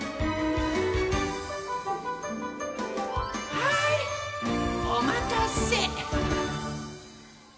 はいおまたせ！